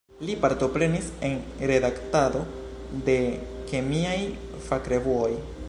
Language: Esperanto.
Li partoprenis en redaktado de kemiaj fakrevuoj.